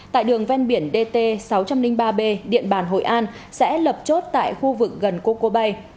tại đường ven biển dt sáu trăm linh ba b điện bàn hội an sẽ lập chốt tại khu vực gần coco bay